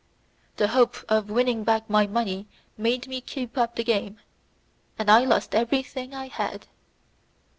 The hope of winning back my money made me keep up the game, and I lost everything I had.